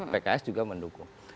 pks juga mendukung